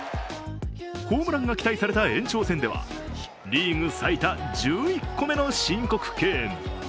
ホームランが期待された延長戦ではリーグ最多１１個目の申告敬遠。